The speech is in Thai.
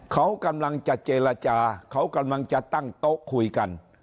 เขากำลังจะเจรจาเขากำลังจะตั้งโต๊ะคุยกัน